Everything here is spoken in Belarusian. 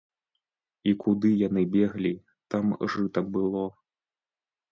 І куды яны беглі, там жыта было.